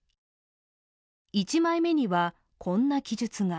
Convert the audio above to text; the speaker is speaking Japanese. １枚目には、こんな記述が